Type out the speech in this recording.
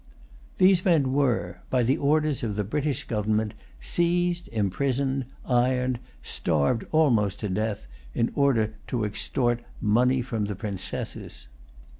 These men were, by the orders of the British government, seized, imprisoned, ironed, starved almost to death, in order to extort money from the Princesses.